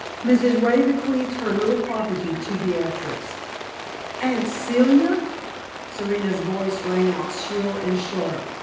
Mrs. Ray bequeathed her little property to Beatrix." "Aunt Celia!" Serena's voice rang out shrill and sharp.